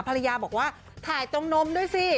ภรรยาบอกว่าถ่ายตรงนมด้วยสิ